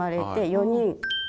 ４人。